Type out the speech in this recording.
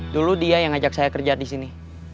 dulu dia yang ajak saya kerja di sini